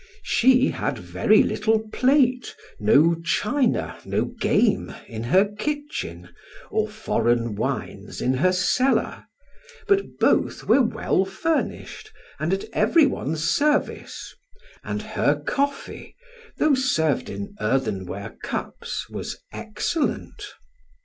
She had very little plate, no china, no game in her kitchen, or foreign wines in her cellar, but both were well furnished, and at every one's service; and her coffee, though served in earthenware cups, was excellent.